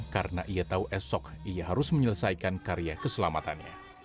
karena ia tahu esok ia harus menyelesaikan karya keselamatannya